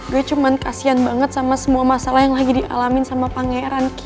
gue cuman kasian banget sama semua masalah yang lagi dialamin sama pangeran ki